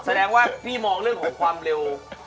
แสดงว่าพี่มองเรื่องของความเร็ว